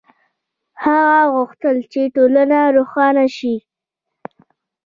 هغه غوښتل چې ټولنه روښانه شي.